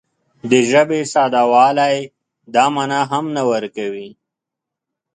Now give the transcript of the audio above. د ژبې ساده والی دا مانا هم نه ورکوي